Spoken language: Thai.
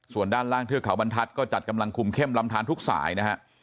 ส่วนด้านล่างเทือกเขาบรรทัศน์ก็จัดกำลังคุมเข้มลำทานทุกสายนะฮะ